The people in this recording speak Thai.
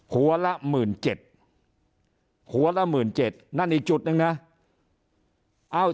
หัวละ๑๗๐๐๐นั่นอีกจุดนึงนะ